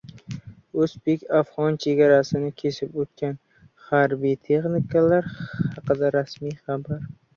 O‘zbek-afg‘on chegarasini kesib o‘tgan harbiy texnikalar haqida rasmiy xabar